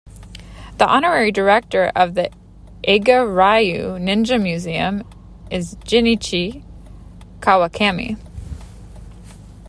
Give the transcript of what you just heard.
The honorary director of the Iga-ryu Ninja Museum is Jinichi Kawakami.